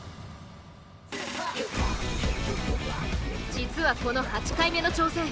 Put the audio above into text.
実はこの８回目の挑戦